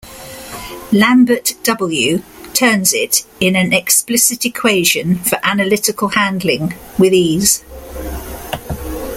Lambert "W" turns it in an explicit equation for analytical handling with ease.